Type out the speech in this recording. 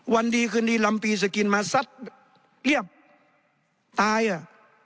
วันดีคืนดีลำปีสกินมาซัดเรียบตายอ่ะ